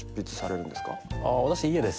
私家です。